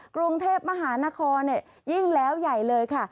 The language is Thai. กรุงเทพมหานครยิ่งแล้วใหญ่เลยค่ะ